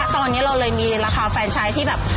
ตอนนี้เราเลยมีราคาแฟนใช้ที่แบบ